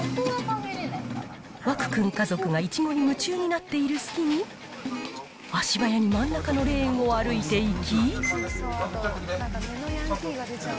湧くん家族がいちごに夢中になっている隙に、足早に真ん中のレーンを歩いていき。